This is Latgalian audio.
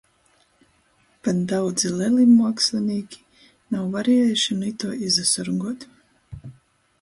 Pat daudzi leli muokslinīki nav variejuši nu ituo izasorguot.